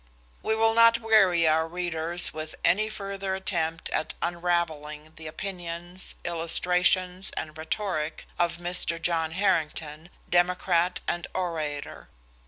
"We will not weary our readers with any further attempt at unraveling the opinions, illustrations, and rhetoric of Mr. John Harrington, Democrat and orator.